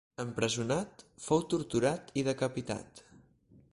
Empresonat, fou torturat i decapitat.